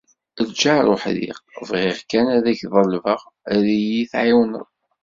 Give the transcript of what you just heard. Lğar uḥdiq: “Bɣiɣ kan ad ak-ḍelbeɣ ad iyi-tεiwneḍ."